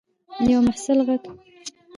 یوه محصل غږ کړ چې د اطاق کیلۍ راکړه.